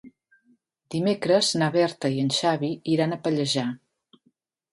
Dimecres na Berta i en Xavi iran a Pallejà.